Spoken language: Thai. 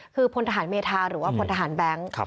คือพลทหารเมธาหรือว่าพลทหารแบงค์